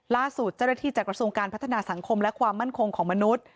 ล่าสุดเจ้าหน้าที่จากกระทรวงการพัฒนาสังคมและความมั่นคงของมนุษย์